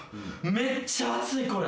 めっちゃ熱いこれ。